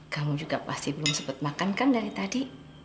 kamu juga pasti belum sempat makan kan dari tadi